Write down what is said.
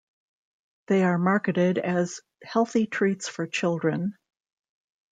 They are marketed as healthy treats for children.